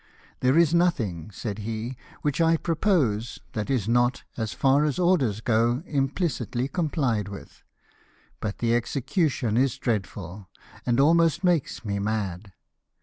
" There is nothing," said he, " which I propose, that is not, as far as orders go, imphcitly compHed with; but the execution is dreadful, and almost makes me mad.